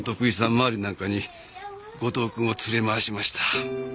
回りなんかに後藤くんを連れ回しました。